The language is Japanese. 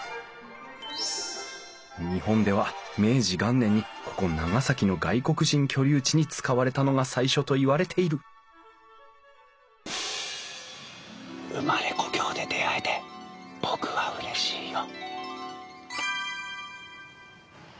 日本では明治元年にここ長崎の外国人居留地に使われたのが最初といわれてる生まれ故郷で出会えて僕はうれしいよ。